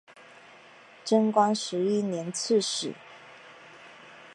贞观十一年刺史。